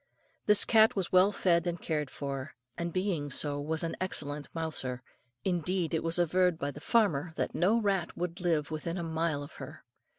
This cat was well fed and cared for, and being so, was an excellent mouser. Indeed, it was averred by the farmer that no rat would live within a mile of her.